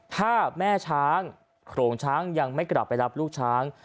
ถ้าแม่ช้างโขลงช้างยังไม่กลับไปรับลูกช้าง